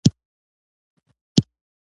نورو ته د منلو وړ کېدل